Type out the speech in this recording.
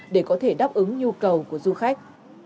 để có thể đáp ứng nhu cầu của du khách